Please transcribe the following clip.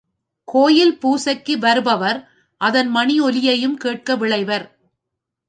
கோயில் பூசைக்கு வருபவர் அதன் மணி ஒலியையும் கேட்க விழைவர்.